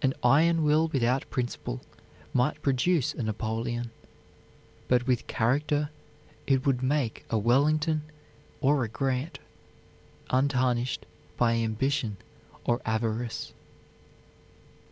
An iron will without principle might produce a Napoleon; but with character it would make a Wellington or a Grant, untarnished by ambition or avarice.